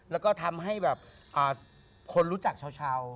แล้วก็ทำให้แบบคนรู้จักชาว